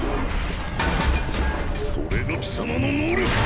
それが貴様の能力か！